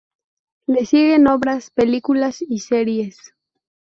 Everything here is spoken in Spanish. Le siguen obras, películas y series.